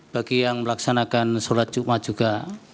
bagi yang melaksanakan sholat jumat juga